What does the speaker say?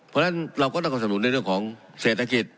เพราะฉะนั้นเราก็ต้องสนุนในเรื่องของเศรษฐกิจ